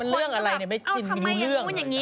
มีเรื่องอะไรอยู่เนี่ยไม่รู้เรื่อง